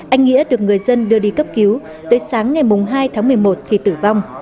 anh nghĩa được người dân đưa đi cấp cứu tới sáng ngày hai tháng một mươi một thì tử vong